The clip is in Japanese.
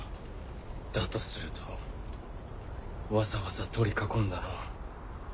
だとするとわざわざ取り囲んだのは。